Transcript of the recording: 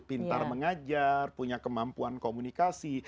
pintar mengajar punya kemampuan komunikasi